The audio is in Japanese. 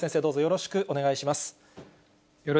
よろしくお願いします。